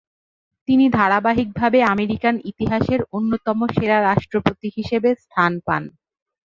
তিনি ধারাবাহিকভাবে আমেরিকান ইতিহাসের অন্যতম সেরা রাষ্ট্রপতি হিসাবে স্থান পান।